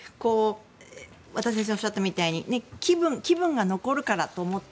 私、先生がおっしゃったみたいに気分が残るからって。